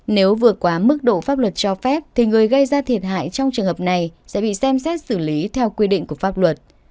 nếu vượt quá mức độ pháp luật cho phép thì người gây ra thiệt hại trong trường hợp này sẽ bị xem xét xử lý theo quy định của pháp luật